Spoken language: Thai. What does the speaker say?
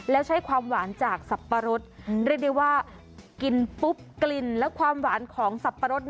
แล้วใช้ความหวานจากสับปะรดเรียกได้ว่ากินปุ๊บกลิ่นและความหวานของสับปะรด